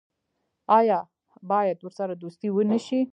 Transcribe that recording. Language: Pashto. آیا باید ورسره دوستي ونشي؟